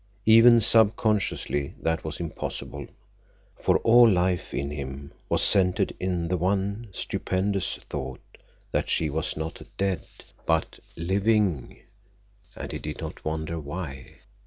Even subconsciously that was impossible, for all life in him was centered in the one stupendous thought that she was not dead, but living, and he did not wonder why.